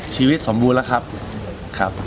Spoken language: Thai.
ชีวิตสมบูรณ์แล้วครับ